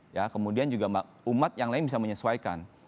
ya kemudian juga umat yang lain bisa menyesuaikan